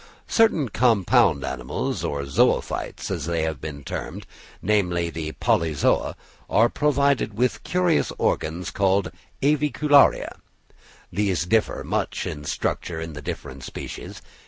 Certain compound animals, or zoophytes, as they have been termed, namely the Polyzoa, are provided with curious organs called avicularia. These differ much in structure in the different species.